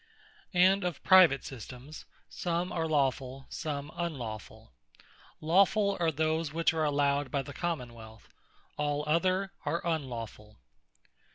And of Private Systemes, some are Lawfull; some Unlawfull: Lawfull, are those which are allowed by the Common wealth: all other are Unlawfull.